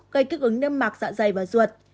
gây kích ứng nâm mạc dạ dày và ruột